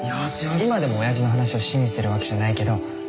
今でもおやじの話を信じてるわけじゃないけど。